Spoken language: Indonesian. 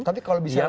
tapi kalau bisa